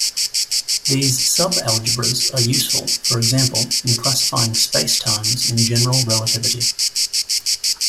These subalgebras are useful, for example, in classifying spacetimes in general relativity.